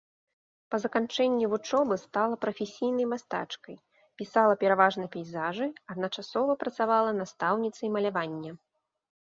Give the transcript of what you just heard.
Па заканчэнні вучобы стала прафесійнай мастачкай, пісала пераважна пейзажы, адначасова працавала настаўніцай малявання.